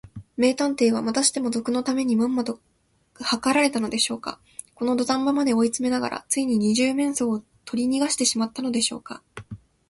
名探偵は、またしても賊のためにまんまとはかられたのでしょうか。このどたん場まで追いつめながら、ついに二十面相をとりにがしてしまったのでしょうか。